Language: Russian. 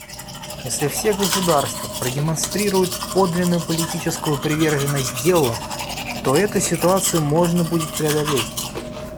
Если все государства продемонстрируют подлинную политическую приверженность делу, то эту ситуацию можно будет преодолеть.